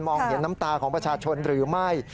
เห็นน้ำตาของประชาชนหรือไม่